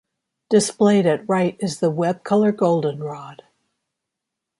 Displayed at right is the web color goldenrod.